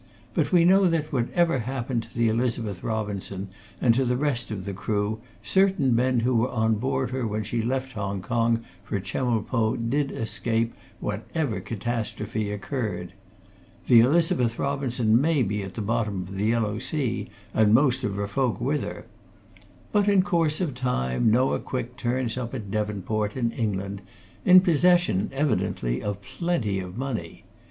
But we know that, whatever happened to the Elizabeth Robinson, and to the rest of the crew, certain men who were on board her when she left Hong Kong, for Chemulpo, did escape whatever catastrophe occurred. The Elizabeth Robinson may be at the bottom of the Yellow Sea, and most of her folk with her. But in course of time Noah Quick turns up at Devonport in England, in possession, evidently, of plenty of money.